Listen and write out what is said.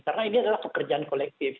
karena ini adalah pekerjaan kolektif